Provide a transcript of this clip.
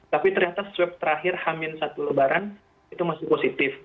tapi ternyata swab terakhir hamin satu lebaran itu masih positif